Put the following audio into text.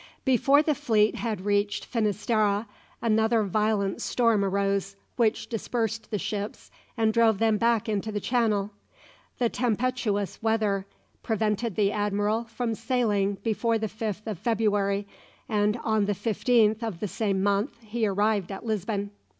Before the fleet had reached Finisterre another violent storm arose, which dispersed the ships and drove them back into the Channel. The tempestuous weather prevented the admiral from sailing before the 5th of February, and on the 15th of the same month he arrived at Lisbon.